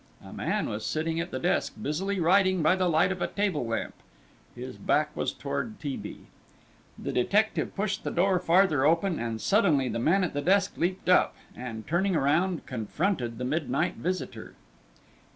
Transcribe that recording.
A man was sitting at the desk, busily writing by the light of a table lamp; his back was toward T. B. The detective pushed the door farther open, and suddenly the man at the desk leapt up, and turning round, confronted the midnight visitor.